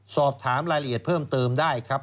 สอบถามรายละเอียดเพิ่มเติมได้ครับ